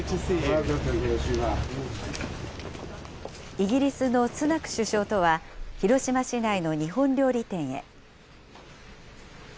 イギリスのスナク首相とは、広島市内の日本料理店へ。